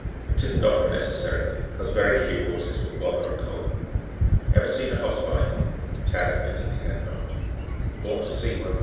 But 'tisn't often necessary, 'cause very few horses will bother a colt. Ever see a hoss fight?" Tad admitted that he had not. "Ought to see one.